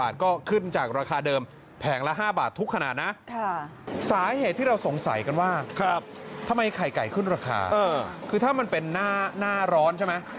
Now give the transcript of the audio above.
ถูกขนาดนะสาเหตุที่เราสงสัยกันว่าทำไมไข่ไก่ขึ้นราคาคือถ้ามันเป็นหน้าร้อนใช่ไหม